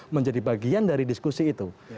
menjadi bagian dari diskusi itu